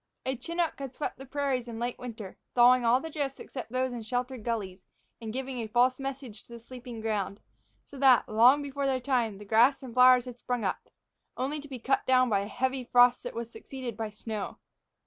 A chinook had swept the prairies in the late winter, thawing all the drifts except those in sheltered gullies, and giving a false message to the sleeping ground; so that, long before their time, the grass and flowers had sprung up, only to be cut down by a heavy frost that was succeeded by snow.